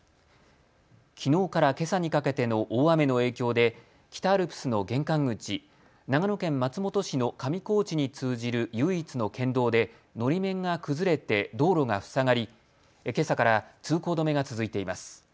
きのうからけさにかけての大雨の影響で北アルプスの玄関口、長野県松本市の上高地に通じる唯一の県道でのり面が崩れて道路が塞がりけさから通行止めが続いています。